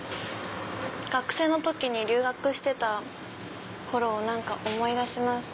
学生の時に留学してた頃を思い出します。